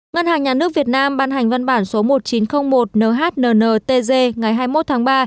ngân hàng nhà nước việt nam ban hành văn bản số một nghìn chín trăm linh một nhnntg ngày hai mươi một tháng ba